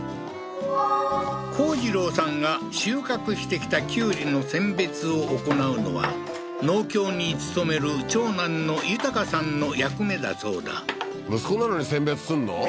幸次郎さんが収穫してきたきゅうりの選別を行うのは農協に勤める長男の豊さんの役目だそうだ息子なのに選別すんの？